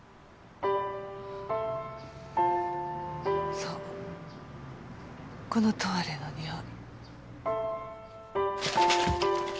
そうこのトワレのにおい。